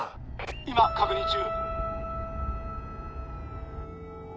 今確認中。